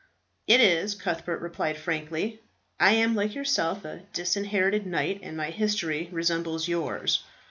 "It is," Cuthbert replied frankly. "I am like yourself, a disinherited knight, and my history resembles yours.